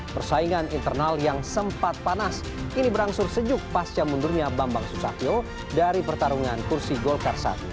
persaingan internal yang sempat panas kini berangsur sejuk pasca mundurnya bambang susatyo dari pertarungan kursi golkar satu